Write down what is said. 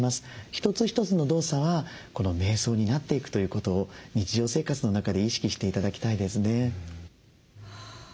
一つ一つの動作はめい想になっていくということを日常生活の中で意識して頂きたいですね。